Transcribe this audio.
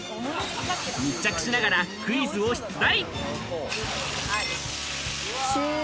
密着しながらクイズを出題。